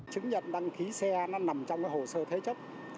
chứng nhận đăng ký xe nó nằm trong cái hồ sơ thế chấp